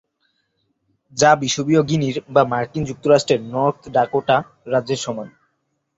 যা বিষুবীয় গিনির বা মার্কিন যুক্তরাষ্ট্রের নর্থ ডাকোটা রাজ্যের সমান।